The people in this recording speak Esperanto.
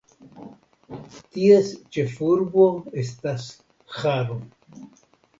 Ties ĉefurbo estas Haro.